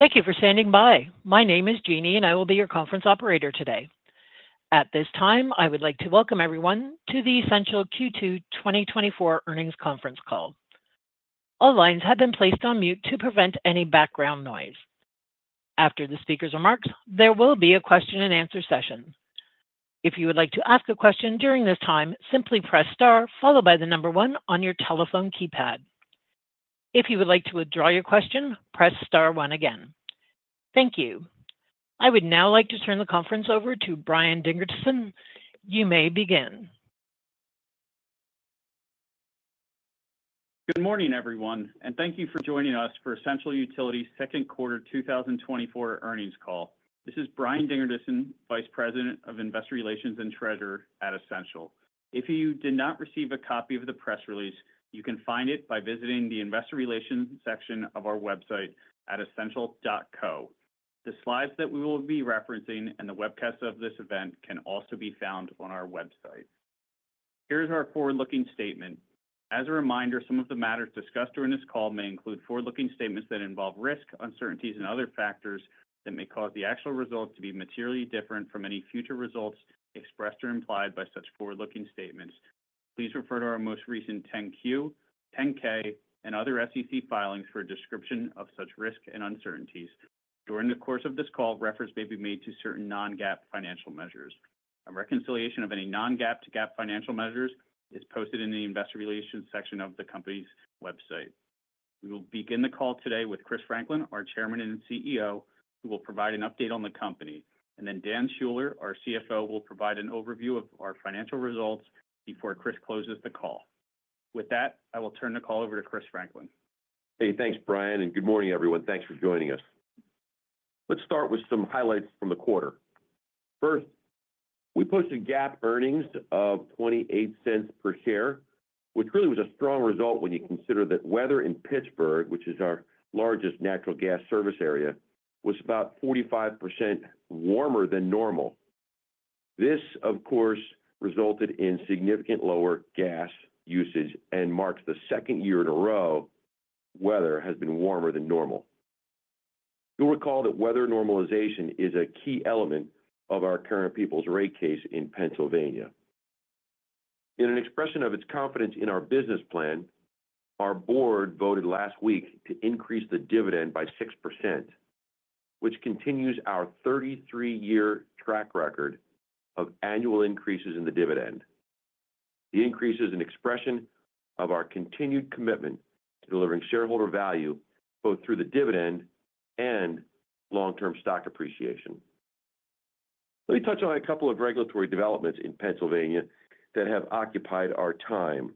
Thank you for standing by. My name is Jeannie, and I will be your conference operator today. At this time, I would like to welcome everyone to the Essential Q2 2024 earnings conference call. All lines have been placed on mute to prevent any background noise. After the speaker's remarks, there will be a question-and-answer session. If you would like to ask a question during this time, simply press star followed by the number one on your telephone keypad. If you would like to withdraw your question, press star one again. Thank you. I would now like to turn the conference over to Brian Dingerdissen. You may begin. Good morning, everyone, and thank you for joining us for Essential Utilities second quarter 2024 earnings call. This is Brian Dingerdissen, Vice President of Investor Relations and Treasurer at Essential. If you did not receive a copy of the press release, you can find it by visiting the Investor Relations section of our website at essential.co. The slides that we will be referencing and the webcast of this event can also be found on our website. Here's our forward-looking statement: As a reminder, some of the matters discussed during this call may include forward-looking statements that involve risks, uncertainties and other factors that may cause the actual results to be materially different from any future results expressed or implied by such forward-looking statements. Please refer to our most recent 10-Q, 10-K, and other SEC filings for a description of such risks and uncertainties. During the course of this call, reference may be made to certain non-GAAP financial measures. A reconciliation of any non-GAAP to GAAP financial measures is posted in the Investor Relations section of the company's website. We will begin the call today with Chris Franklin, our Chairman and CEO, who will provide an update on the company. And then Dan Schuller, our CFO, will provide an overview of our financial results before Chris closes the call. With that, I will turn the call over to Chris Franklin. Hey, thanks, Brian, and good morning, everyone. Thanks for joining us. Let's start with some highlights from the quarter. First, we posted GAAP earnings of $0.28 per share, which really was a strong result when you consider that weather in Pittsburgh, which is our largest natural gas service area, was about 45% warmer than normal. This, of course, resulted in significant lower gas usage and marks the second year in a row weather has been warmer than normal. You'll recall that weather normalization is a key element of our current Peoples' rate case in Pennsylvania. In an expression of its confidence in our business plan, our board voted last week to increase the dividend by 6%, which continues our 33-year track record of annual increases in the dividend. The increase is an expression of our continued commitment to delivering shareholder value, both through the dividend and long-term stock appreciation. Let me touch on a couple of regulatory developments in Pennsylvania that have occupied our time.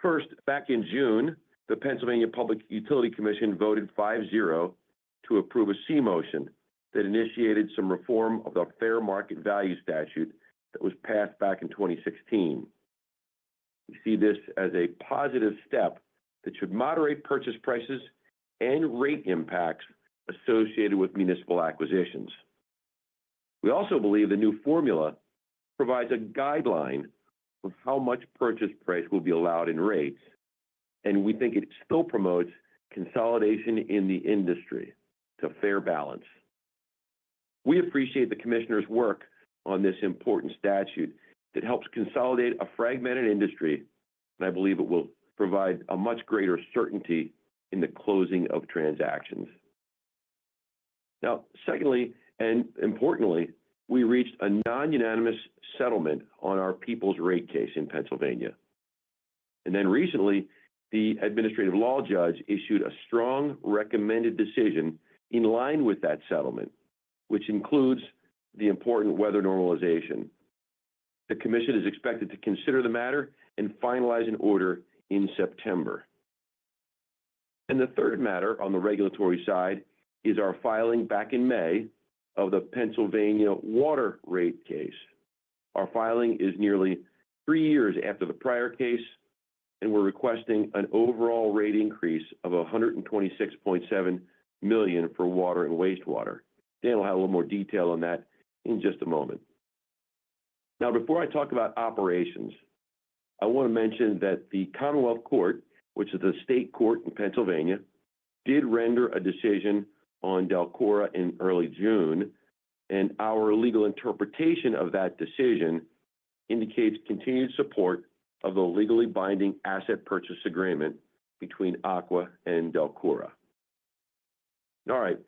First, back in June, the Pennsylvania Public Utility Commission voted 5-0 to approve a C-motion that initiated some reform of the fair market value statute that was passed back in 2016. We see this as a positive step that should moderate purchase prices and rate impacts associated with municipal acquisitions. We also believe the new formula provides a guideline of how much purchase price will be allowed in rates, and we think it still promotes consolidation in the industry. It's a fair balance. We appreciate the commissioner's work on this important statute that helps consolidate a fragmented industry, and I believe it will provide a much greater certainty in the closing of transactions. Now, secondly, and importantly, we reached a non-unanimous settlement on our Peoples' rate case in Pennsylvania. And then recently, the Administrative Law Judge issued a strong recommended decision in line with that settlement, which includes the important Weather Normalization. The commission is expected to consider the matter and finalize an order in September. And the third matter on the regulatory side is our filing back in May of the Pennsylvania water rate case. Our filing is nearly three years after the prior case, and we're requesting an overall rate increase of $126.7 million for water and wastewater. Dan will have a little more detail on that in just a moment. Now, before I talk about operations, I want to mention that the Commonwealth Court, which is the state court in Pennsylvania, did render a decision on DELCORA in early June, and our legal interpretation of that decision indicates continued support of the legally binding asset purchase agreement between Aqua and DELCORA. All right.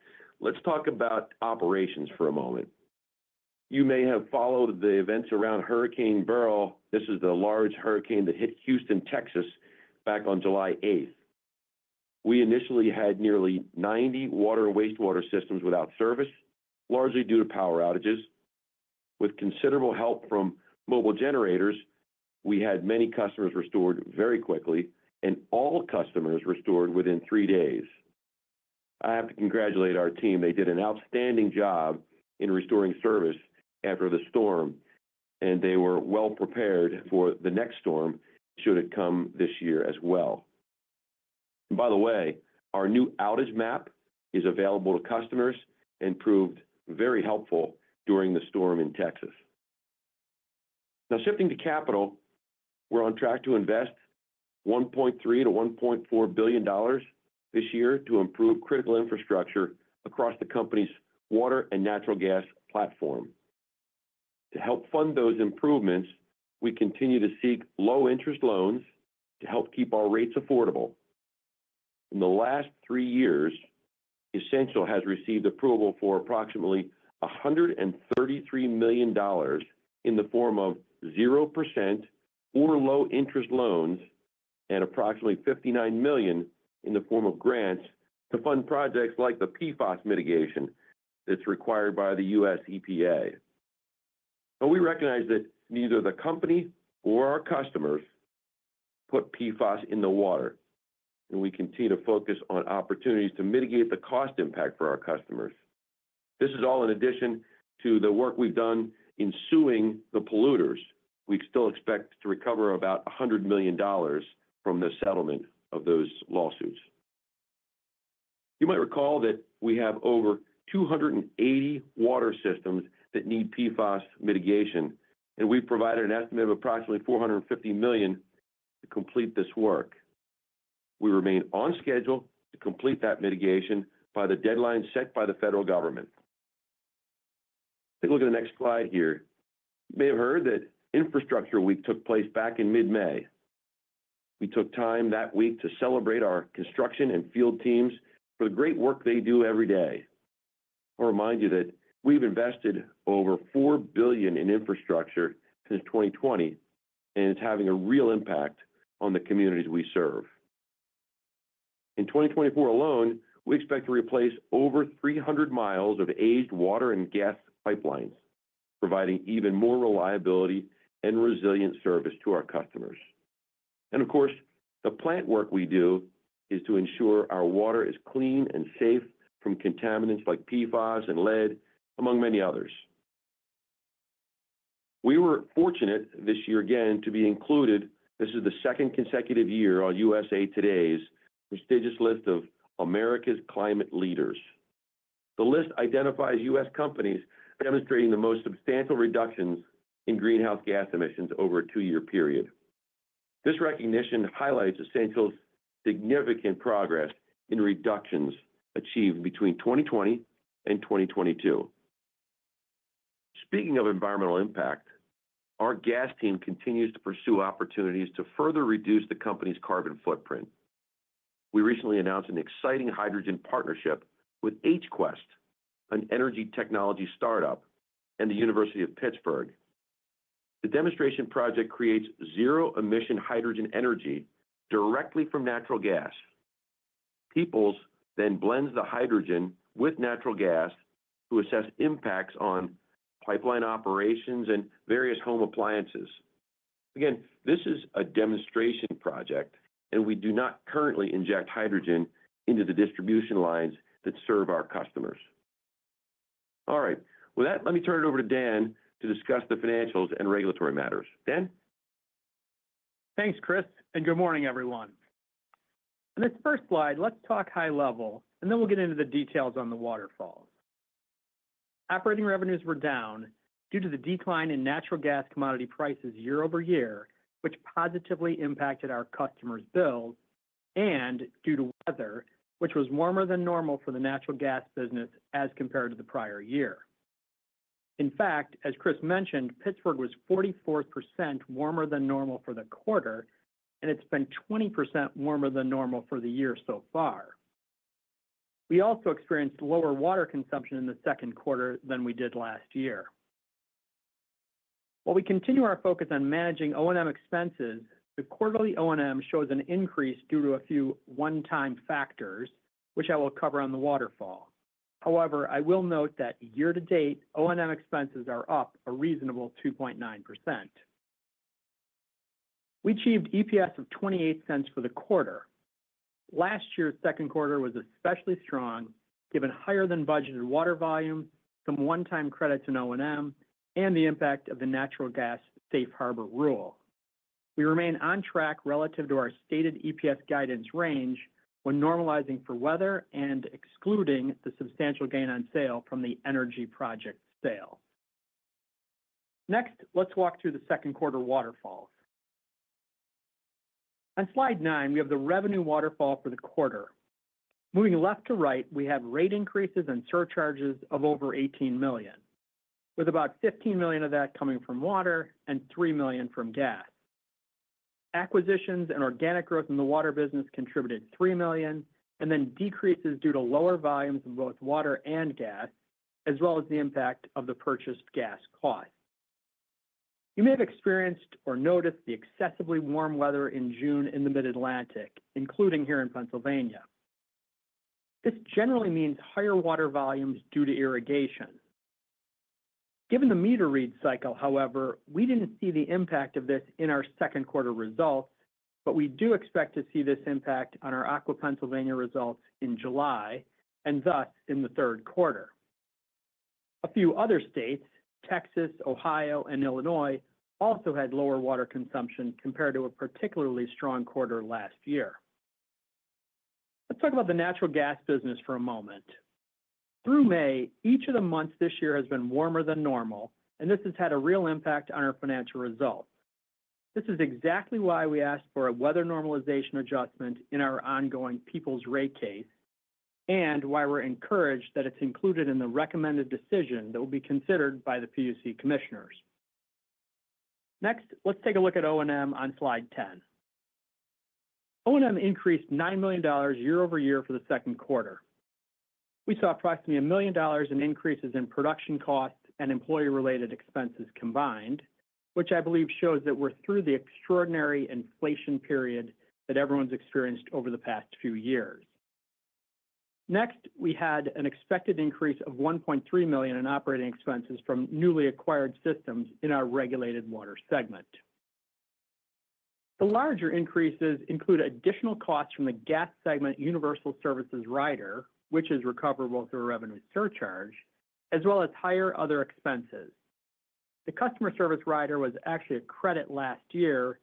Let's talk about operations for a moment. You may have followed the events around Hurricane Beryl. This is the large hurricane that hit Houston, Texas, back on July eighth. We initially had nearly 90 water and wastewater systems without service, largely due to power outages. With considerable help from mobile generators, we had many customers restored very quickly and all customers restored within three days. I have to congratulate our team. They did an outstanding job in restoring service after the storm, and they were well prepared for the next storm should it come this year as well. By the way, our new outage map is available to customers and proved very helpful during the storm in Texas. Now, shifting to capital, we're on track to invest $1.3 billion-$1.4 billion this year to improve critical infrastructure across the company's water and natural gas platform. To help fund those improvements, we continue to seek low-interest loans to help keep our rates affordable. In the last three years, Essential has received approval for approximately $133 million in the form of 0% or low-interest loans, and approximately $59 million in the form of grants to fund projects like the PFAS mitigation that's required by the U.S. EPA. But we recognize that neither the company or our customers put PFAS in the water, and we continue to focus on opportunities to mitigate the cost impact for our customers. This is all in addition to the work we've done in suing the polluters. We still expect to recover about $100 million from the settlement of those lawsuits. You might recall that we have over 280 water systems that need PFAS mitigation, and we've provided an estimate of approximately $450 million to complete this work. We remain on schedule to complete that mitigation by the deadline set by the federal government. Take a look at the next slide here. You may have heard that Infrastructure Week took place back in mid-May. We took time that week to celebrate our construction and field teams for the great work they do every day. I'll remind you that we've invested over $4 billion in infrastructure since 2020, and it's having a real impact on the communities we serve. In 2024 alone, we expect to replace over 300 mi of aged water and gas pipelines, providing even more reliability and resilient service to our customers. And of course, the plant work we do is to ensure our water is clean and safe from contaminants like PFAS and lead, among many others. We were fortunate this year, again, to be included, this is the second consecutive year, on U.S.A. Today's prestigious list of America's Climate Leaders. The list identifies U.S. companies demonstrating the most substantial reductions in greenhouse gas emissions over a two-year period. This recognition highlights Essential's significant progress in reductions achieved between 2020 and 2022. Speaking of environmental impact, our gas team continues to pursue opportunities to further reduce the company's carbon footprint. We recently announced an exciting hydrogen partnership with H Quest, an energy technology startup in the University of Pittsburgh. The demonstration project creates zero-emission hydrogen energy directly from natural gas. Peoples then blends the hydrogen with natural gas to assess impacts on pipeline operations and various home appliances. Again, this is a demonstration project, and we do not currently inject hydrogen into the distribution lines that serve our customers. All right. With that, let me turn it over to Dan to discuss the financials and regulatory matters. Dan? Thanks, Chris, and good morning, everyone. On this first slide, let's talk high level, and then we'll get into the details on the waterfall. Operating revenues were down due to the decline in natural gas commodity prices year-over-year, which positively impacted our customers' bills, and due to weather, which was warmer than normal for the natural gas business as compared to the prior year. In fact, as Chris mentioned, Pittsburgh was 44% warmer than normal for the quarter, and it's been 20% warmer than normal for the year so far. We also experienced lower water consumption in the second quarter than we did last year. While we continue our focus on managing O&M expenses, the quarterly O&M shows an increase due to a few one-time factors, which I will cover on the waterfall. However, I will note that year to date, O&M expenses are up a reasonable 2.9%. We achieved EPS of $0.28 for the quarter. Last year's second quarter was especially strong, given higher than budgeted water volume, some one-time credits in O&M, and the impact of the natural gas Safe Harbor rule. We remain on track relative to our stated EPS guidance range when normalizing for weather and excluding the substantial gain on sale from the energy project sale. Next, let's walk through the second quarter waterfall. On slide nine, we have the revenue waterfall for the quarter. Moving left to right, we have rate increases and surcharges of over $18 million, with about $15 million of that coming from water and $3 million from gas. Acquisitions and organic growth in the water business contributed $3 million, and then decreases due to lower volumes in both water and gas, as well as the impact of the purchased gas cost. You may have experienced or noticed the excessively warm weather in June in the Mid-Atlantic, including here in Pennsylvania. This generally means higher water volumes due to irrigation. Given the meter read cycle, however, we didn't see the impact of this in our second quarter results, but we do expect to see this impact on our Aqua Pennsylvania results in July, and thus in the third quarter. A few other states, Texas, Ohio, and Illinois, also had lower water consumption compared to a particularly strong quarter last year. Let's talk about the natural gas business for a moment. Through May, each of the months this year has been warmer than normal, and this has had a real impact on our financial results. This is exactly why we asked for a weather normalization adjustment in our ongoing Peoples' rate case, and why we're encouraged that it's included in the recommended decision that will be considered by the PUC commissioners. Next, let's take a look at O&M on slide 10. O&M increased $9 million year-over-year for the second quarter. We saw approximately $1 million in increases in production costs and employee-related expenses combined, which I believe shows that we're through the extraordinary inflation period that everyone's experienced over the past few years. Next, we had an expected increase of $1.3 million in operating expenses from newly acquired systems in our regulated water segment. The larger increases include additional costs from the gas segment Universal Services Rider, which is recoverable through a revenue surcharge, as well as higher other expenses. The Customer Service Rider was actually a credit last year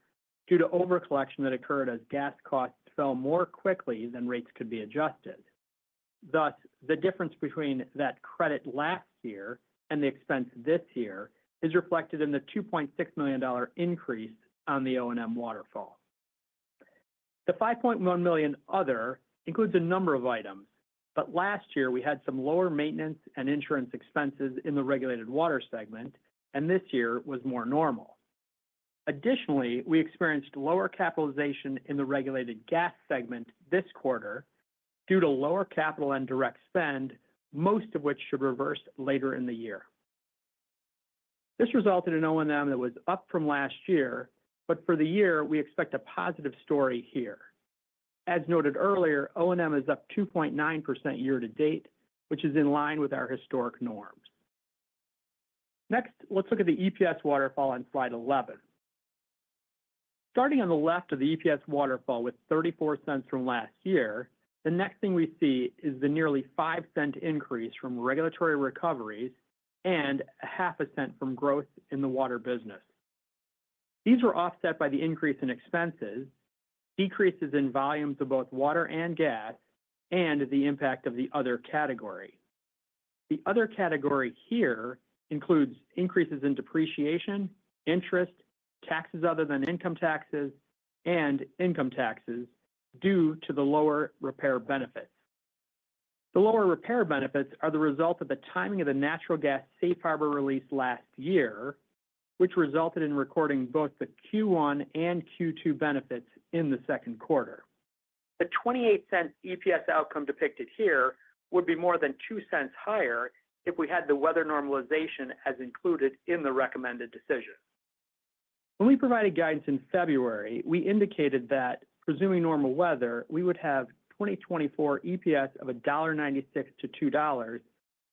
due to overcollection that occurred as gas costs fell more quickly than rates could be adjusted. Thus, the difference between that credit last year and the expense this year is reflected in the $2.6 million increase on the O&M waterfall. The $5.1 million other includes a number of items, but last year we had some lower maintenance and insurance expenses in the regulated water segment, and this year was more normal. Additionally, we experienced lower capitalization in the regulated gas segment this quarter due to lower capital and direct spend, most of which should reverse later in the year. This resulted in O&M that was up from last year, but for the year, we expect a positive story here. As noted earlier, O&M is up 2.9% year to date, which is in line with our historic norms. Next, let's look at the EPS waterfall on slide 11. Starting on the left of the EPS waterfall with $0.34 from last year, the next thing we see is the nearly $0.05 increase from regulatory recoveries and $0.005 from growth in the water business. These were offset by the increase in expenses, decreases in volumes of both water and gas, and the impact of the other category. The other category here includes increases in depreciation, interest, taxes other than income taxes, and income taxes due to the lower repair benefits. The lower repair benefits are the result of the timing of the natural gas Safe Harbor release last year, which resulted in recording both the Q1 and Q2 benefits in the second quarter. The $0.28 EPS outcome depicted here would be more than $0.02 higher if we had the weather normalization as included in the recommended decision. When we provided guidance in February, we indicated that presuming normal weather, we would have 2024 EPS of $1.96-$2,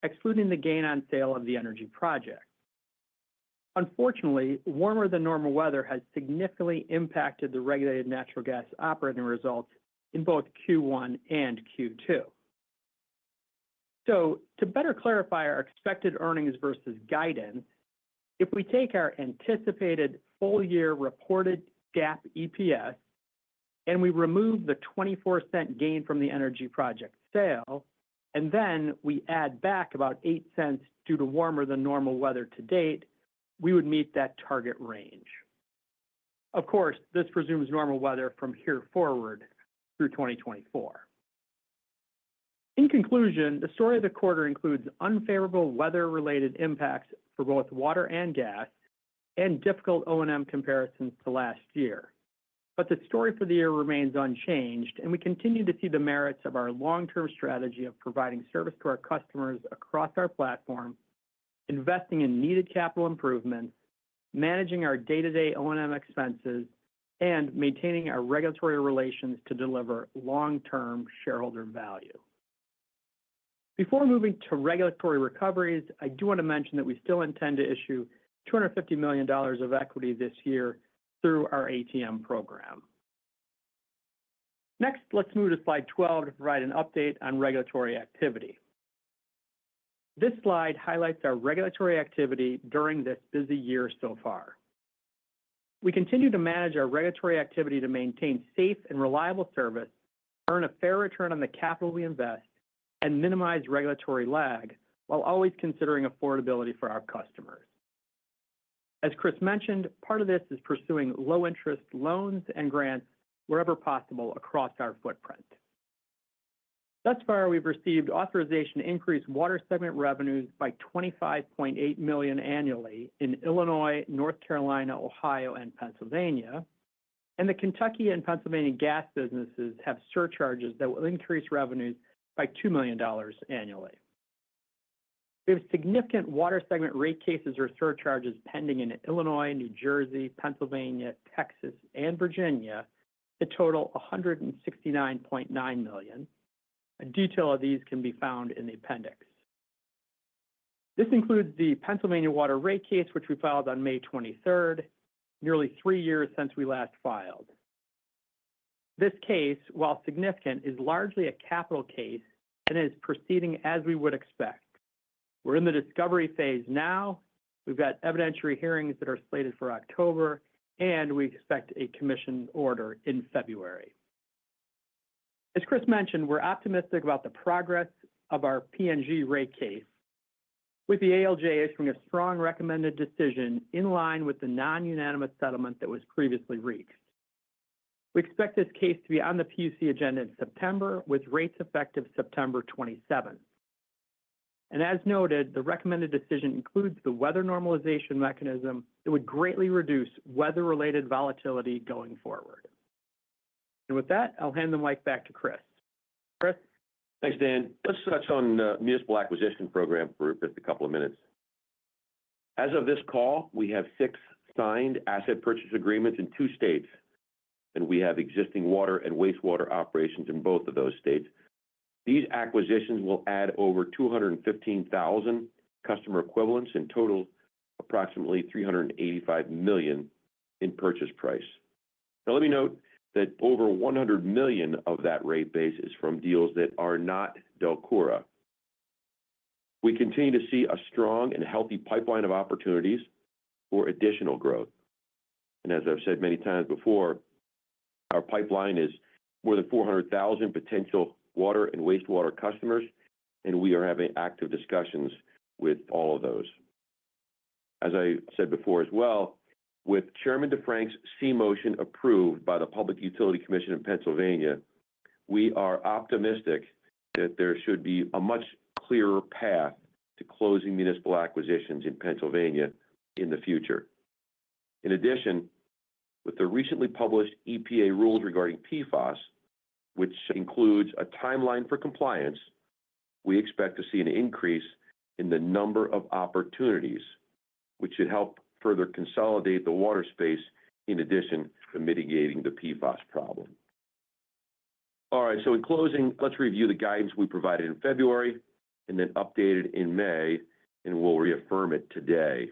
excluding the gain on sale of the energy project. Unfortunately, warmer than normal weather has significantly impacted the regulated natural gas operating results in both Q1 and Q2. So to better clarify our expected earnings versus guidance, if we take our anticipated full year reported GAAP EPS, and we remove the $0.24 gain from the energy project sale, and then we add back about $0.08 due to warmer than normal weather to date, we would meet that target range. Of course, this presumes normal weather from here forward through 2024. In conclusion, the story of the quarter includes unfavorable weather-related impacts for both water and gas, and difficult O&M comparisons to last year. But the story for the year remains unchanged, and we continue to see the merits of our long-term strategy of providing service to our customers across our platform, investing in needed capital improvements, managing our day-to-day O&M expenses, and maintaining our regulatory relations to deliver long-term shareholder value. Before moving to regulatory recoveries, I do want to mention that we still intend to issue $250 million of equity this year through our ATM program. Next, let's move to slide 12 to provide an update on regulatory activity. This slide highlights our regulatory activity during this busy year so far. We continue to manage our regulatory activity to maintain safe and reliable service, earn a fair return on the capital we invest, and minimize regulatory lag, while always considering affordability for our customers. As Chris mentioned, part of this is pursuing low-interest loans and grants wherever possible across our footprint. Thus far, we've received authorization to increase water segment revenues by $25.8 million annually in Illinois, North Carolina, Ohio, and Pennsylvania. The Kentucky and Pennsylvania gas businesses have surcharges that will increase revenues by $2 million annually. We have significant water segment rate cases or surcharges pending in Illinois, New Jersey, Pennsylvania, Texas, and Virginia that total $169.9 million. A detail of these can be found in the appendix. This includes the Pennsylvania water rate case, which we filed on May 23rd, nearly three years since we last filed. This case, while significant, is largely a capital case and is proceeding as we would expect. We're in the discovery phase now. We've got evidentiary hearings that are slated for October, and we expect a commission order in February. As Chris mentioned, we're optimistic about the progress of our PNG rate case, with the ALJ issuing a strong recommended decision in line with the non-unanimous settlement that was previously reached. We expect this case to be on the PUC agenda in September, with rates effective September 27th. As noted, the recommended decision includes the Weather Normalization mechanism that would greatly reduce weather-related volatility going forward. With that, I'll hand the mic back to Chris. Chris? Thanks, Dan. Let's touch on the municipal acquisition program for just a couple of minutes. As of this call, we have six signed asset purchase agreements in two states, and we have existing water and wastewater operations in both of those states. These acquisitions will add over 215,000 customer equivalents, in total, approximately $385 million in purchase price. Now, let me note that over $100 million of that rate base is from deals that are not DELCORA. We continue to see a strong and healthy pipeline of opportunities for additional growth, and as I've said many times before, our pipeline is more than 400,000 potential water and wastewater customers, and we are having active discussions with all of those. As I said before as well, with Chairman DeFrank's C-motion approved by the Public Utility Commission in Pennsylvania, we are optimistic that there should be a much clearer path to closing municipal acquisitions in Pennsylvania in the future. In addition, with the recently published EPA rules regarding PFAS, which includes a timeline for compliance, we expect to see an increase in the number of opportunities, which should help further consolidate the water space, in addition to mitigating the PFAS problem. All right, so in closing, let's review the guidance we provided in February and then updated in May, and we'll reaffirm it today.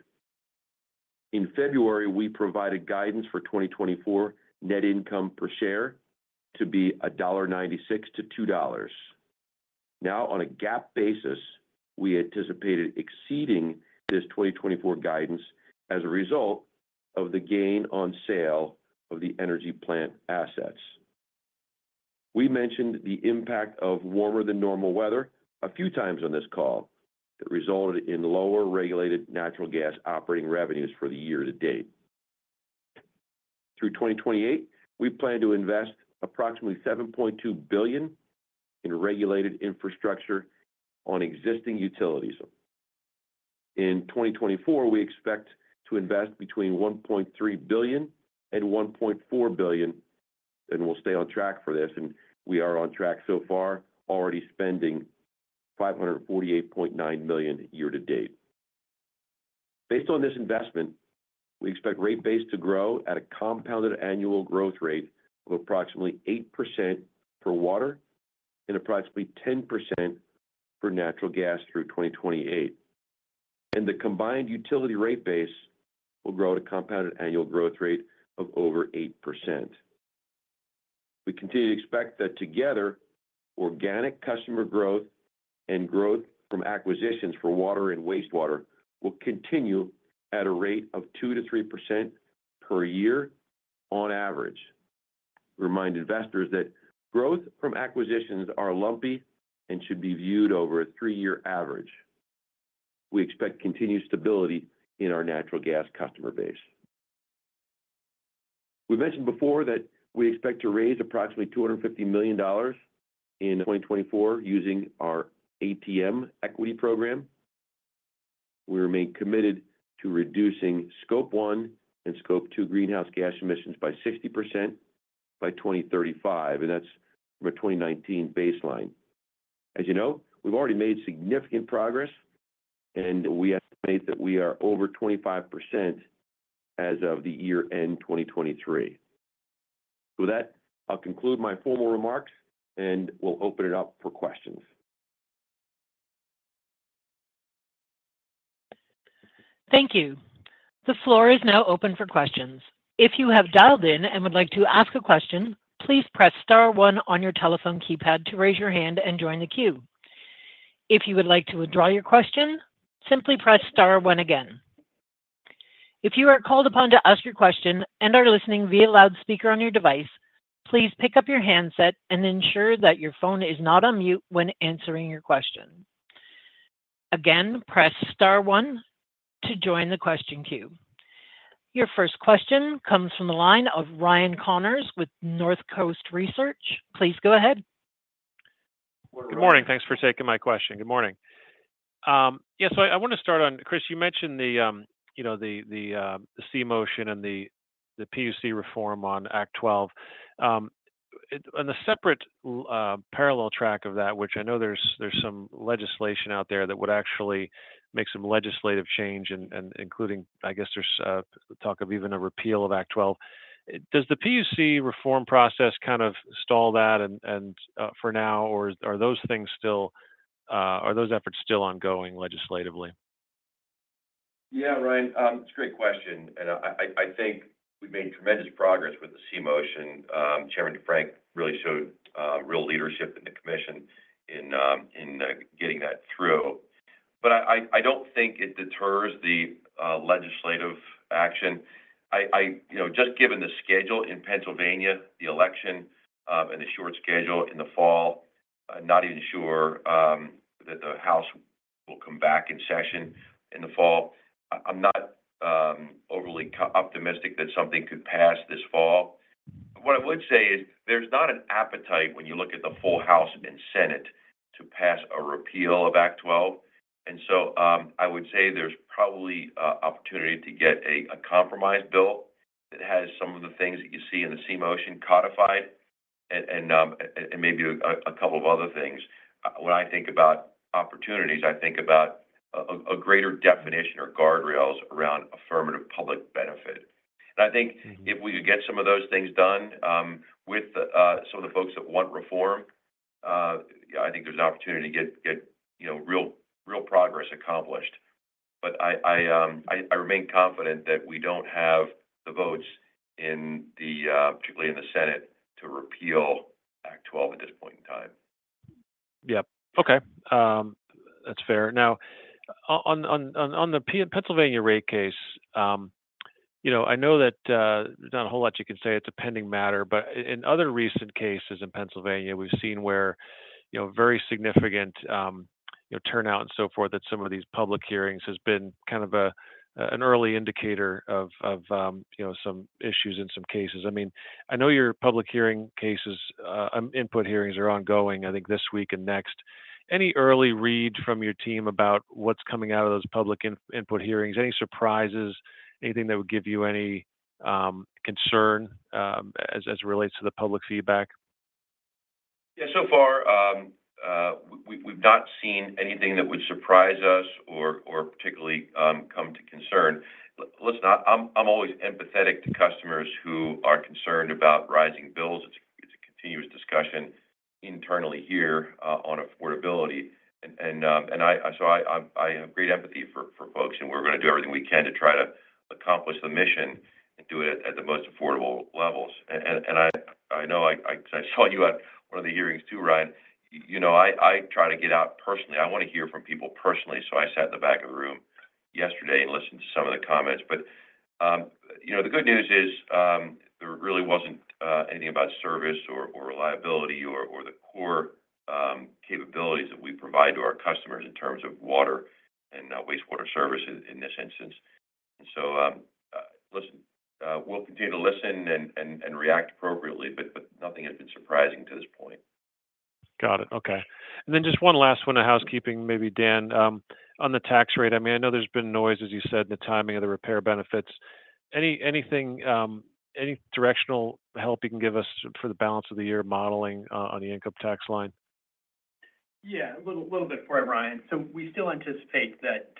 In February, we provided guidance for 2024 net income per share to be $1.96-$2. Now, on a GAAP basis, we anticipated exceeding this 2024 guidance as a result of the gain on sale of the energy plant assets. We mentioned the impact of warmer than normal weather a few times on this call that resulted in lower regulated natural gas operating revenues for the year to date. Through 2028, we plan to invest approximately $7.2 billion in regulated infrastructure on existing utilities. In 2024, we expect to invest between $1.3 billion and $1.4 billion, and we'll stay on track for this. And we are on track so far, already spending $548.9 million year to date. Based on this investment, we expect rate base to grow at a compounded annual growth rate of approximately 8% for water and approximately 10% for natural gas through 2028. The combined utility rate base will grow at a compounded annual growth rate of over 8%. We continue to expect that together, organic customer growth and growth from acquisitions for water and wastewater will continue at a rate of 2%-3% per year on average. Remind investors that growth from acquisitions are lumpy and should be viewed over a threeyear average. We expect continued stability in our natural gas customer base. We mentioned before that we expect to raise approximately $250 million in 2024 using our ATM equity program. We remain committed to reducing Scope 1 and Scope 2 greenhouse gas emissions by 60% by 2035, and that's from a 2019 baseline. As you know, we've already made significant progress, and we estimate that we are over 25% as of the year end 2023. With that, I'll conclude my formal remarks, and we'll open it up for questions. Thank you. The floor is now open for questions. If you have dialed in and would like to ask a question, please press star one on your telephone keypad to raise your hand and join the queue. If you would like to withdraw your question, simply press star one again. If you are called upon to ask your question and are listening via loudspeaker on your device, please pick up your handset and ensure that your phone is not on mute when answering your question. Again, press star one to join the question queue. Your first question comes from the line of Ryan Connors with Northcoast Research. Please go ahead. Good morning. Thanks for taking my question. Good morning. So I want to start on... Chris, you mentioned the, you know, the C-motion and the PUC reform on Act 12. On a separate parallel track of that, which I know there's some legislation out there that would actually make some legislative change, and including, I guess, there's talk of even a repeal of Act 12. Does the PUC reform process kind of stall that and for now, or are those efforts still ongoing legislatively?... Yeah, Ryan, it's a great question, and I think we've made tremendous progress with the C-motion. Chairman DeFrank really showed real leadership in the commission in getting that through. But I don't think it deters the legislative action. You know, just given the schedule in Pennsylvania, the election, and the short schedule in the fall, I'm not even sure that the House will come back in session in the fall. I'm not overly optimistic that something could pass this fall. What I would say is, there's not an appetite when you look at the full House and Senate to pass a repeal of Act 12. And so, I would say there's probably an opportunity to get a compromise bill that has some of the things that you see in the C-motion codified, and maybe a couple of other things. When I think about opportunities, I think about a greater definition or guardrails around affirmative public benefit. And I think- Mm-hmm... if we could get some of those things done with some of the folks that want reform, I think there's an opportunity to get you know real progress accomplished. But I remain confident that we don't have the votes particularly in the Senate to repeal Act 12 at this point in time. Yep. Okay, that's fair. Now, on the Pennsylvania rate case, you know, I know that, there's not a whole lot you can say, it's a pending matter, but in other recent cases in Pennsylvania, we've seen where, you know, very significant, you know, turnout and so forth, that some of these public hearings has been kind of a, an early indicator of, of, you know, some issues in some cases. I mean, I know your public hearing cases, input hearings are ongoing, I think this week and next. Any early read from your team about what's coming out of those public input hearings? Any surprises, anything that would give you any, concern, as it relates to the public feedback? Yeah, so far, we've not seen anything that would surprise us or particularly come to concern. Listen, I'm always empathetic to customers who are concerned about rising bills. It's a continuous discussion internally here on affordability. So I have great empathy for folks, and we're gonna do everything we can to try to accomplish the mission and do it at the most affordable levels. And I know I saw you at one of the hearings too, Ryan. You know, I try to get out personally. I want to hear from people personally, so I sat in the back of the room yesterday and listened to some of the comments. But, you know, the good news is, there really wasn't anything about service or reliability or the core capabilities that we provide to our customers in terms of water and wastewater services in this instance. And so, listen, we'll continue to listen and react appropriately, but nothing has been surprising to this point. Got it. Okay. And then just one last one on housekeeping, maybe, Dan, on the tax rate. I mean, I know there's been noise, as you said, the timing of the repair benefits. Anything, any directional help you can give us for the balance of the year, modeling on the income tax line? Yeah, a little, little bit for it, Ryan. So we still anticipate that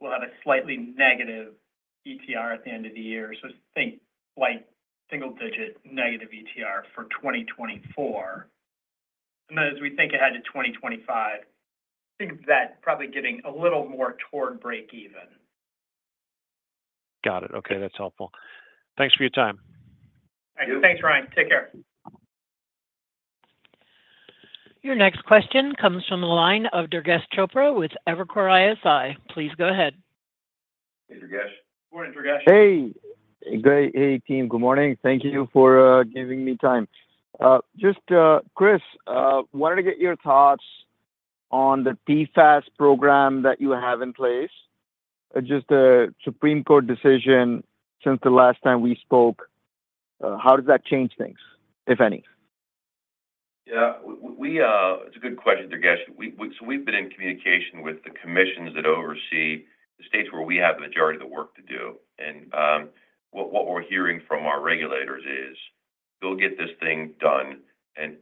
we'll have a slightly negative ETR at the end of the year. So think like single digit negative ETR for 2024. And then as we think ahead to 2025, think that probably getting a little more toward break even. Got it. Okay, that's helpful. Thanks for your time. Thanks, Ryan. Take care. Your next question comes from the line of Durgesh Chopra with Evercore ISI. Please go ahead. Hey, Durgesh. Morning, Durgesh. Hey. Great. Hey, team, good morning. Thank you for giving me time. Just, Chris, wanted to get your thoughts on the PFAS program that you have in place. Just the Supreme Court decision since the last time we spoke, how does that change things, if any? Yeah, we... It's a good question, Durgesh. So we've been in communication with the commissions that oversee the states where we have the majority of the work to do. And, what we're hearing from our regulators is, "Go get this thing done, and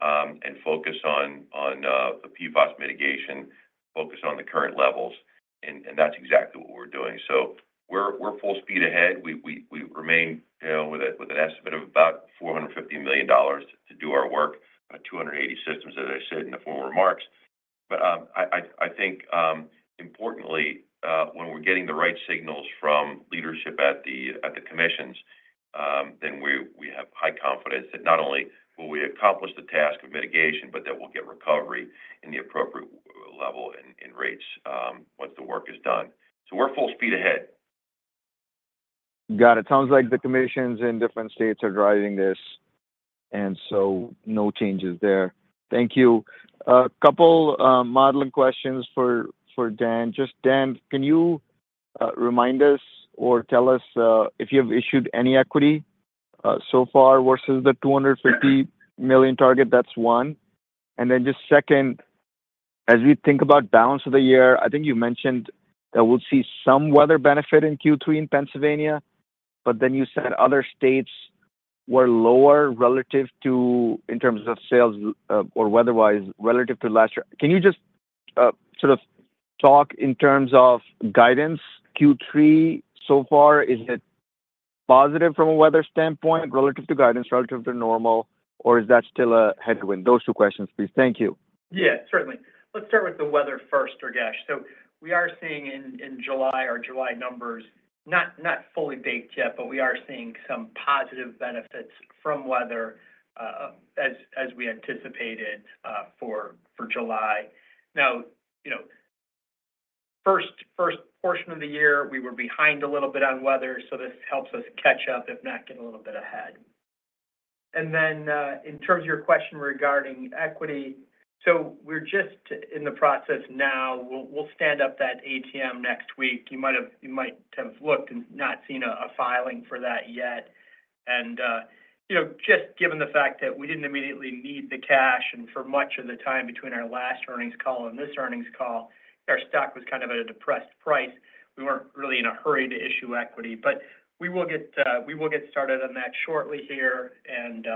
focus on the PFAS mitigation, focus on the current levels." And, that's exactly what we're doing. So we're full speed ahead. We remain, you know, with an estimate of about $450 million to do our work, 280 systems, as I said in the former remarks. But, I think, importantly, when we're getting the right signals from leadership at the commissions, then we have high confidence that not only will we accomplish the task of mitigation, but that we'll get recovery in the appropriate level and rates, once the work is done. So we're full speed ahead. Got it. Sounds like the commissions in different states are driving this, and so no changes there. Thank you. A couple modeling questions for Dan. Just, Dan, can you remind us or tell us if you have issued any equity so far versus the $250- Yeah... million target? That's one. And then just second, as we think about balance of the year, I think you mentioned that we'll see some weather benefit in Q3 in Pennsylvania, but then you said other states were lower relative to, in terms of sales, or weather-wise, relative to last year. Can you just, sort of talk in terms of guidance? Q3 so far, is it-... positive from a weather standpoint relative to guidance, relative to normal, or is that still a headwind? Those two questions, please. Thank you. Yeah, certainly. Let's start with the weather first, Durgesh. So we are seeing in July, our July numbers, not fully baked yet, but we are seeing some positive benefits from weather, as we anticipated, for July. Now, you know, first portion of the year, we were behind a little bit on weather, so this helps us catch up, if not get a little bit ahead. And then, in terms of your question regarding equity, so we're just in the process now. We'll stand up that ATM next week. You might have looked and not seen a filing for that yet. You know, just given the fact that we didn't immediately need the cash, and for much of the time between our last earnings call and this earnings call, our stock was kind of at a depressed price. We weren't really in a hurry to issue equity, but we will get started on that shortly here, and,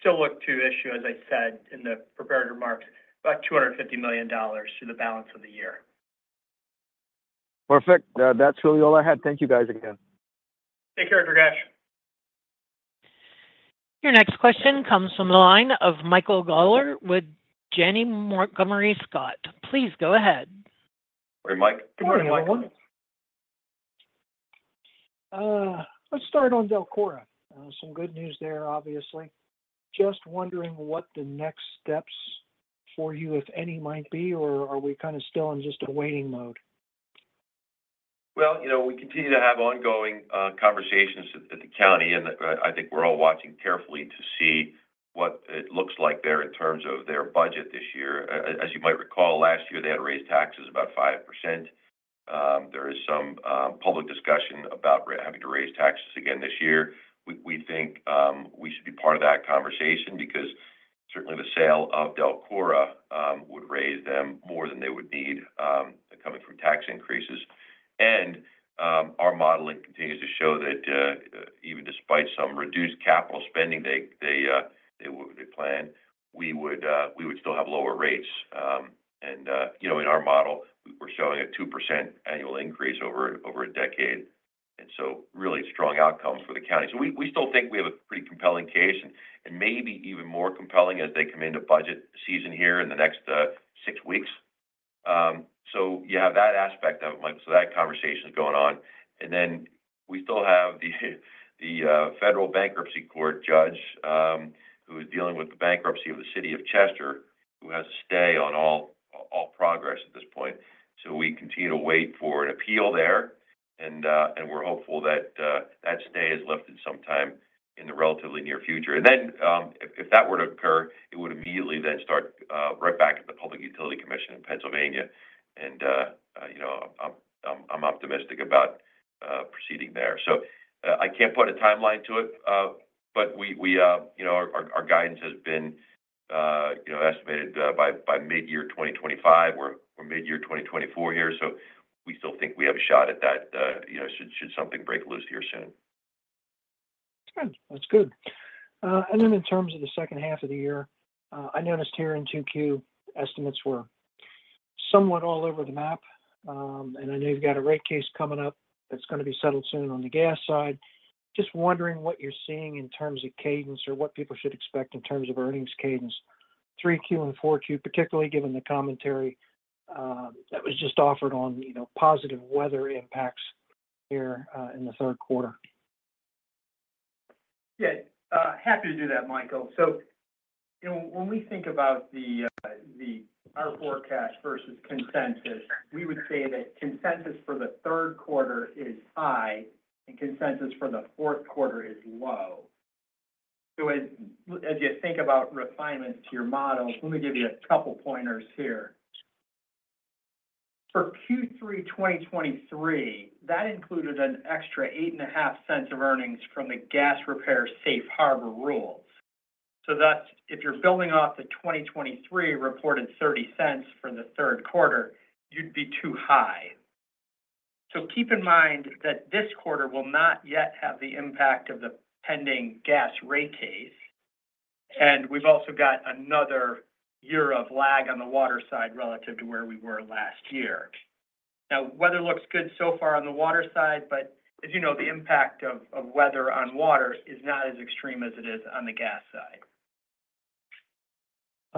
still look to issue, as I said in the prepared remarks, about $250 million to the balance of the year. Perfect. That's really all I had. Thank you, guys, again. Take care, Durgesh. Your next question comes from the line of Michael Gaugler with Janney Montgomery Scott. Please go ahead. Hey, Mike. Good morning, Michael. Let's start on DELCORA. Some good news there, obviously. Just wondering what the next steps for you, if any, might be, or are we kind of still in just a waiting mode? Well, you know, we continue to have ongoing conversations with the county, and I think we're all watching carefully to see what it looks like there in terms of their budget this year. As you might recall, last year, they had raised taxes about 5%. There is some public discussion about having to raise taxes again this year. We think we should be part of that conversation because certainly the sale of DELCORA would raise them more than they would need coming from tax increases. And our modeling continues to show that even despite some reduced capital spending, they plan we would still have lower rates. And, you know, in our model, we're showing a 2% annual increase over a decade, and so really strong outcome for the county. So we still think we have a pretty compelling case, and maybe even more compelling as they come into budget season here in the next six weeks. So you have that aspect of it, Michael. So that conversation is going on. And then we still have the federal bankruptcy court judge, who is dealing with the bankruptcy of the City of Chester, who has a stay on all progress at this point. So we continue to wait for an appeal there, and we're hopeful that that stay is lifted sometime in the relatively near future. And then, if that were to occur, it would immediately then start right back at the Pennsylvania Public Utility Commission. And, you know, I'm optimistic about proceeding there. So, I can't put a timeline to it, but we, you know, our guidance has been, you know, estimated by mid-year 2025. We're mid-year 2024 here, so we still think we have a shot at that, you know, should something break loose here soon. Good. That's good. And then in terms of the second half of the year, I noticed here in 2Q, estimates were somewhat all over the map. And I know you've got a rate case coming up that's gonna be settled soon on the gas side. Just wondering what you're seeing in terms of cadence or what people should expect in terms of earnings cadence, 3Q and 4Q, particularly given the commentary that was just offered on, you know, positive weather impacts here in the third quarter. Yeah, happy to do that, Michael. So, you know, when we think about our forecast versus consensus, we would say that consensus for the third quarter is high and consensus for the fourth quarter is low. So as you think about refinements to your model, let me give you a couple pointers here. For Q3 2023, that included an extra $0.085 of earnings from the gas repair Safe Harbor rules. So thus, if you're building off the 2023 reported $0.30 for the third quarter, you'd be too high. So keep in mind that this quarter will not yet have the impact of the pending gas rate case, and we've also got another year of lag on the water side relative to where we were last year. Now, weather looks good so far on the water side, but as you know, the impact of weather on water is not as extreme as it is on the gas side.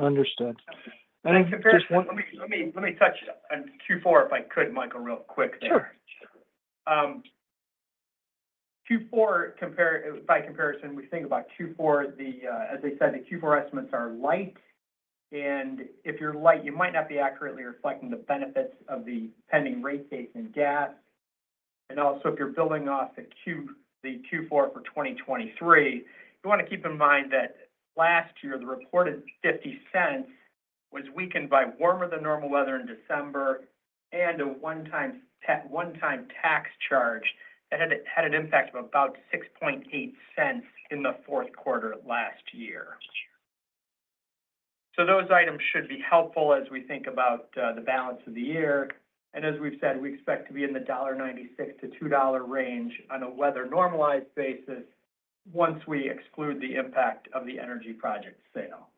Understood. And in comparison- Just one- Let me touch on Q4, if I could, Michael, real quick there. Sure. By comparison, when we think about Q4, as I said, the Q4 estimates are light, and if you're light, you might not be accurately reflecting the benefits of the pending rate case in gas. And also, if you're building off the Q4 for 2023, you want to keep in mind that last year, the reported $0.50 was weakened by warmer than normal weather in December and a one-time tax charge that had an impact of about $0.068 in the fourth quarter last year. So those items should be helpful as we think about the balance of the year. And as we've said, we expect to be in the $1.96-$2 range on a weather-normalized basis once we exclude the impact of the energy project sale....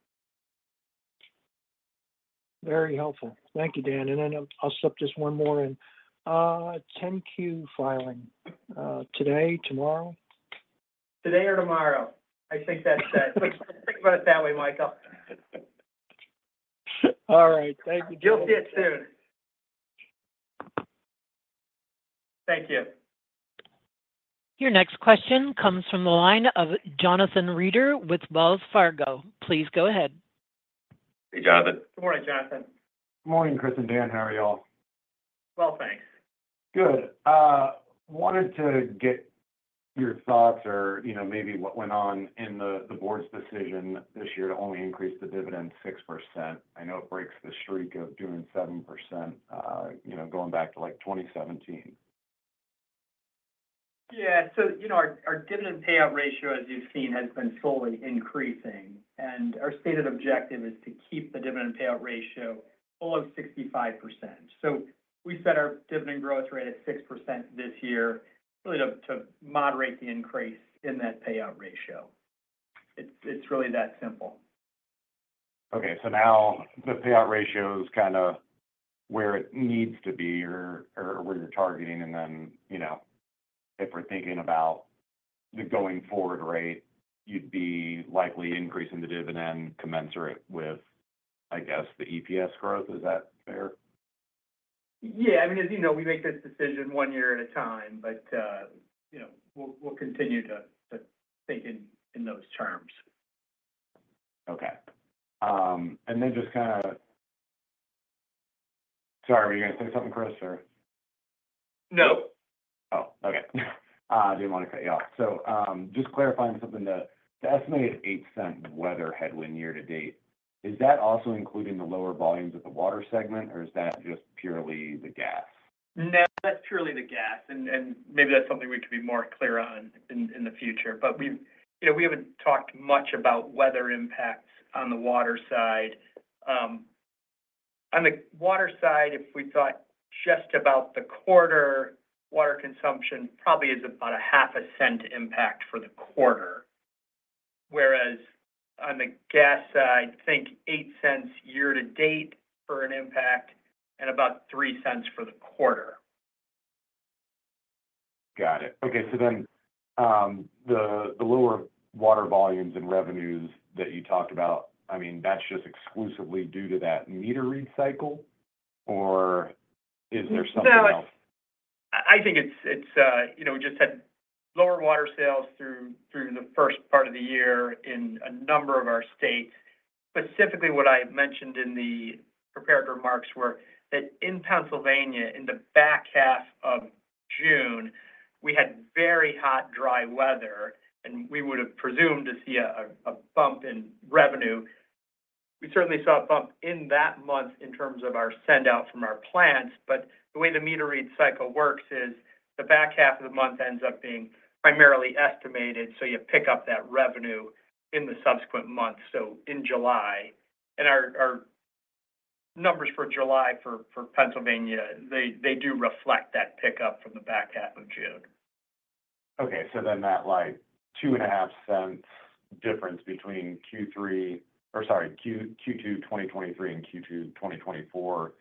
Very helpful. Thank you, Dan. And then I'll slip just one more in. 10-Q filing, today, tomorrow? Today or tomorrow. I think that's set. Think about it that way, Michael. All right, thank you- You'll see it soon. Thank you. Your next question comes from the line of Jonathan Reeder with Wells Fargo. Please go ahead. Hey, Jonathan. Good morning, Jonathan. Good morning, Chris and Dan. How are y'all? Well, thanks. Good. Wanted to get your thoughts or, you know, maybe what went on in the, the board's decision this year to only increase the dividend 6%. I know it breaks the streak of doing 7%, you know, going back to, like, 2017. Yeah. So, you know, our, our dividend payout ratio, as you've seen, has been slowly increasing, and our stated objective is to keep the dividend payout ratio below 65%. So we set our dividend growth rate at 6% this year, really to, to moderate the increase in that payout ratio. It's, it's really that simple. Okay. So now the payout ratio is kind of where it needs to be or, or where you're targeting, and then, you know, if we're thinking about the going forward rate, you'd be likely increasing the dividend commensurate with, I guess, the EPS growth. Is that fair? Yeah. I mean, as you know, we make this decision one year at a time, but, you know, we'll continue to think in those terms. Okay. And then just kind of... Sorry, were you gonna say something, Chris, or? No. Oh, okay. Didn't want to cut you off. So, just clarifying something. The estimated $0.08 weather headwind year to date, is that also including the lower volumes of the water segment, or is that just purely the gas? No, that's purely the gas, and maybe that's something we can be more clear on in the future. But we've, you know, we haven't talked much about weather impacts on the water side. On the water side, if we thought just about the quarter, water consumption probably is about a $0.005 impact for the quarter. Whereas on the gas side, I think $0.08 year to date for an impact and about $0.03 for the quarter. Got it. Okay. So then, the lower water volumes and revenues that you talked about, I mean, that's just exclusively due to that meter read cycle, or is there something else? No, I, I think it's, it's, you know, we just had lower water sales through the first part of the year in a number of our states. Specifically, what I had mentioned in the prepared remarks were that in Pennsylvania, in the back half of June, we had very hot, dry weather, and we would've presumed to see a bump in revenue. We certainly saw a bump in that month in terms of our sendout from our plants, but the way the meter read cycle works is the back half of the month ends up being primarily estimated, so you pick up that revenue in the subsequent months, so in July. And our numbers for July for Pennsylvania, they do reflect that pickup from the back half of June. Okay. So then that, like, $0.025 difference between Q2 2023 and Q2 2024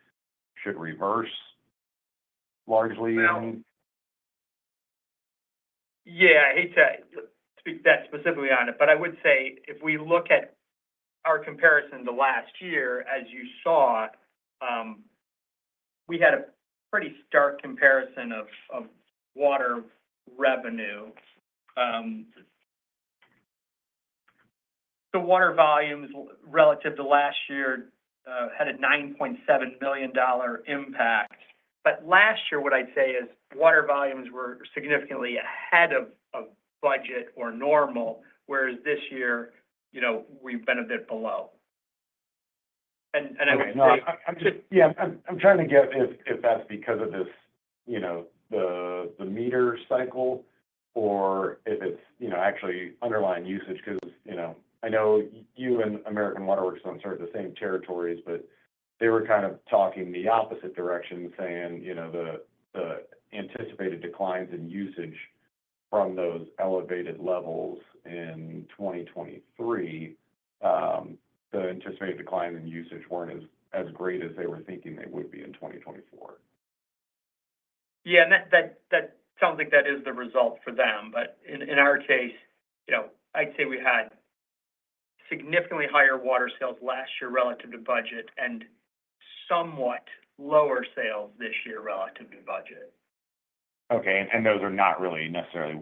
should reverse largely you? Well... Yeah, I hate to speak that specifically on it, but I would say if we look at our comparison to last year, as you saw, we had a pretty stark comparison of water revenue. The water volumes relative to last year had a $9.7 million impact. But last year, what I'd say is water volumes were significantly ahead of budget or normal, whereas this year, you know, we've been a bit below. And I mean- Okay. No, I'm just... Yeah. I'm trying to get if that's because of this, you know, the meter cycle or if it's, you know, actually underlying usage. 'Cause, you know, I know you and American Water Works don't serve the same territories, but they were kind of talking the opposite direction, saying, you know, the anticipated declines in usage from those elevated levels in 2023, the anticipated declines in usage weren't as great as they were thinking they would be in 2024. Yeah, and that sounds like that is the result for them. But in our case, you know, I'd say we had significantly higher water sales last year relative to budget and somewhat lower sales this year relative to budget. Okay. And those are not really necessarily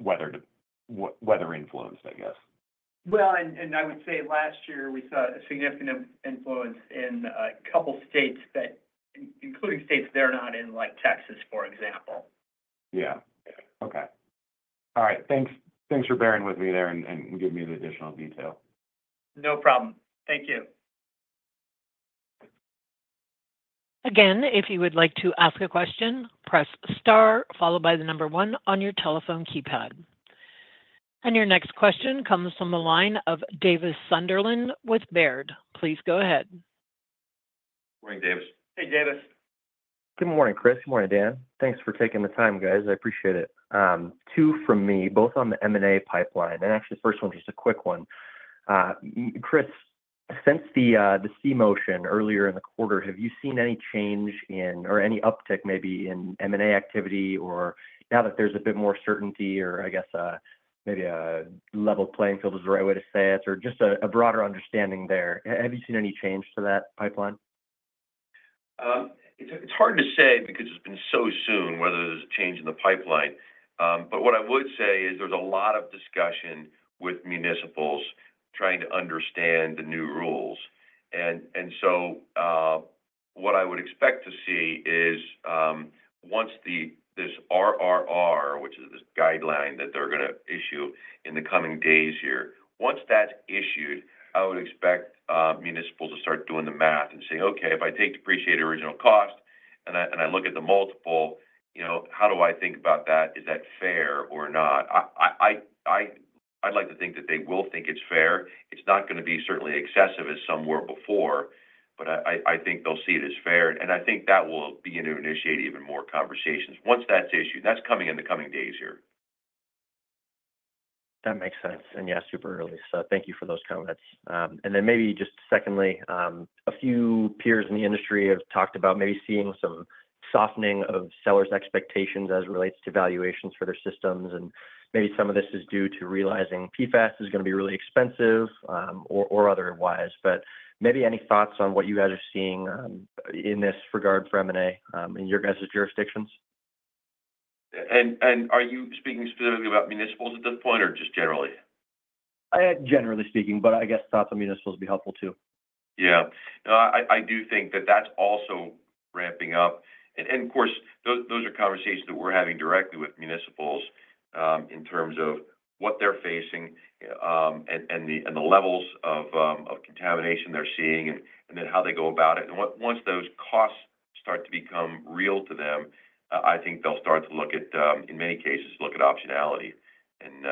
weather influenced, I guess? Well, and I would say last year we saw a significant influence in a couple states, including states that are not in, like Texas, for example. Yeah. Okay. All right, thanks, thanks for bearing with me there and, and giving me the additional detail. No problem. Thank you. Again, if you would like to ask a question, press star, followed by the number one on your telephone keypad. Your next question comes from the line of Davis Sunderland with Baird. Please go ahead. Morning, Davis. Hey, Davis.... Good morning, Chris. Good morning, Dan. Thanks for taking the time, guys. I appreciate it. Two from me, both on the M&A pipeline, and actually, the first one is just a quick one. Chris, since the C-motion earlier in the quarter, have you seen any change in or any uptick, maybe, in M&A activity? Or now that there's a bit more certainty or I guess maybe a level playing field is the right way to say it, or just a broader understanding there, have you seen any change to that pipeline? It's hard to say because it's been so soon whether there's a change in the pipeline. But what I would say is there's a lot of discussion with municipals trying to understand the new rules. So what I would expect to see is once this RRR, which is this guideline that they're gonna issue in the coming days here, once that's issued, I would expect municipals to start doing the math and say, "Okay, if I take depreciated original cost and I look at the multiple, you know, how do I think about that? Is that fair or not?" I'd like to think that they will think it's fair. It's not gonna be certainly excessive as some were before, but I think they'll see it as fair, and I think that will begin to initiate even more conversations. Once that's issued, that's coming in the coming days here. That makes sense. And yeah, super early. So thank you for those comments. And then maybe just secondly, a few peers in the industry have talked about maybe seeing some softening of sellers' expectations as it relates to valuations for their systems, and maybe some of this is due to realizing PFAS is gonna be really expensive, or otherwise. But maybe any thoughts on what you guys are seeing in this regard for M&A in your guys' jurisdictions? Are you speaking specifically about municipals at this point, or just generally? Generally speaking, but I guess thoughts on municipals would be helpful too. Yeah. No, I, I do think that that's also ramping up. And, and of course, those, those are conversations that we're having directly with municipals, in terms of what they're facing, and, and the, and the levels of, of contamination they're seeing, and, and then how they go about it. Once those costs start to become real to them, I think they'll start to look at, in many cases, look at optionality, and,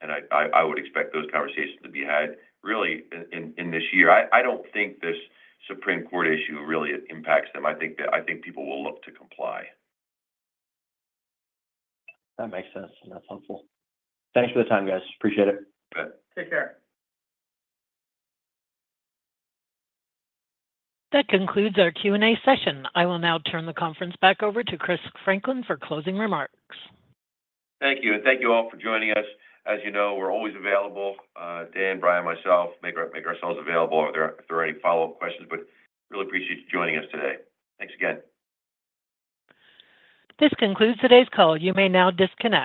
and I, I, I would expect those conversations to be had really in, in, in this year. I, I don't think this Supreme Court issue really impacts them. I think that, I think people will look to comply. That makes sense, and that's helpful. Thanks for the time, guys. Appreciate it. Good. Take care. That concludes our Q&A session. I will now turn the conference back over to Chris Franklin for closing remarks. Thank you, and thank you all for joining us. As you know, we're always available. Dan, Brian, myself, make ourselves available if there are any follow-up questions. But really appreciate you joining us today. Thanks again. This concludes today's call. You may now disconnect.